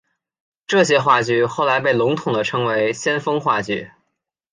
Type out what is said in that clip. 这些话剧后来被笼统地称为先锋话剧。